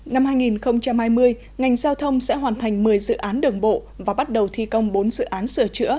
năm hai nghìn hai mươi ngành giao thông sẽ hoàn thành một mươi dự án đường bộ và bắt đầu thi công bốn dự án sửa chữa